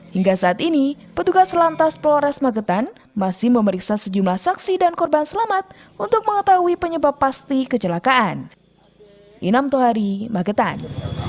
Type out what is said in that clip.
hingga saat ini petugas lantas polres magetan masih memeriksa sejumlah saksi dan korban selamat untuk mengetahui penyebab pasti kecelakaan